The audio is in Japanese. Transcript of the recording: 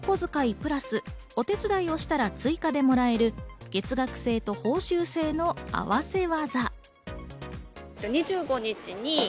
プラスお手伝いをしたら追加でもらえる月額制と報酬制の合わせ技。